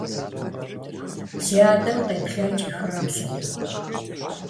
Си адэм къеплъэкӀ и хабзэкъым.